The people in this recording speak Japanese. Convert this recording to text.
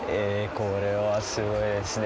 これはすごいですね。